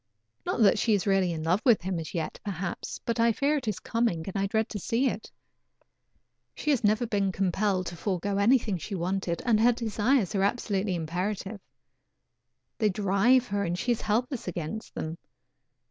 Not that she is really in love with him as yet perhaps, but I fear it is coming and I dread to see it. She has never been compelled to forego anything she wanted, and her desires are absolutely imperative. They drive her, and she is helpless against them.